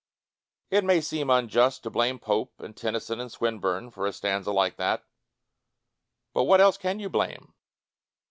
It may seem unjust to blame Pope and Tennyson and Swinburne for a stanza like that, but what else can you blame?